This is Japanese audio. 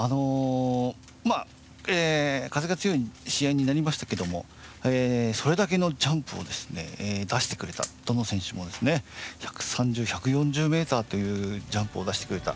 まあ、風が強い試合になりましたけどもそれだけのジャンプをですね出してくれた、どの選手もですね１３０、１４０ｍというジャンプを出してくれた。